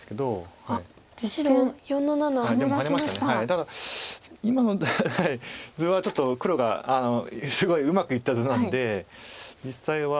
だから今の図はちょっと黒がすごいうまくいった図なので実際は。